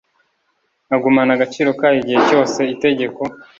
agumana agaciro kayo igihe cyose itegeko